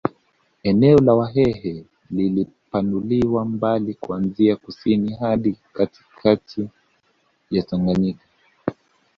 Eneo la Wahehe lilipanuliwa mbali kuanzia kusini hadi katikati ya Tangayika